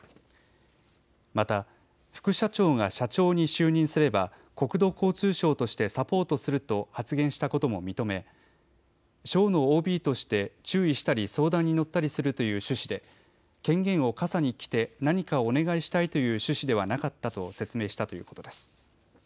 また副社長が社長に就任すれば国土交通省としてサポートすると発言したことも認め省のＯＢとして注意したり、相談に乗ったりするという趣旨で権限をかさに着て何かをお願いしたいという趣旨ではなかったと説明したということです。